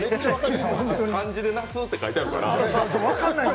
漢字で那須って書いてあるから。